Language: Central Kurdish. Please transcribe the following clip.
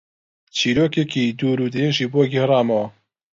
چیرۆکێکی دوور و درێژی بۆ گێڕامەوە.